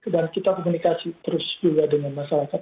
dan kita komunikasi terus juga dengan masyarakat